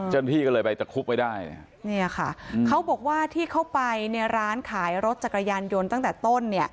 เจ้าหน้าที่ก็เลยไปตะคุบไว้ได้เนี่ยค่ะเขาบอกว่าที่เข้าไปในร้านขายรถจักรยานยนต์ตั้งแต่ต้นเนี่ย